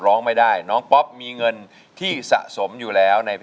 ร้องไม่ได้น้องป๊อปมีเงินที่สะสมอยู่แล้ว